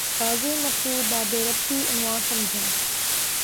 رازِ مکتوب بہ بے ربطیٴ عنواں سمجھا